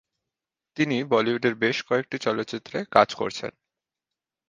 তিনি বলিউডের বেশ কয়েকটি চলচ্চিত্রে কাজ করছেন।